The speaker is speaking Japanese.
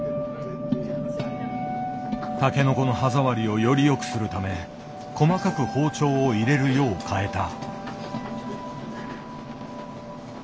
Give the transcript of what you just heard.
タケノコの歯触りをより良くするため細かく包丁を入れるよう変えた。